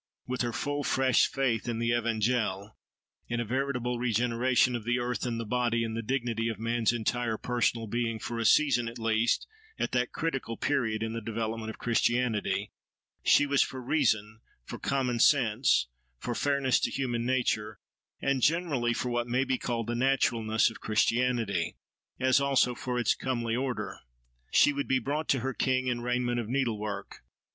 With her full, fresh faith in the Evangele—in a veritable regeneration of the earth and the body, in the dignity of man's entire personal being—for a season, at least, at that critical period in the development of Christianity, she was for reason, for common sense, for fairness to human nature, and generally for what may be called the naturalness of Christianity.—As also for its comely order: she would be "brought to her king in raiment of needlework."